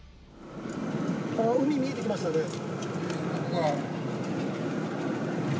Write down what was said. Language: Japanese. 海見えてきましたね。